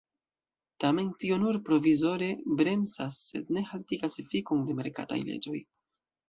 Tamen tio nur provizore bremsas, sed ne haltigas efikon de merkataj leĝoj.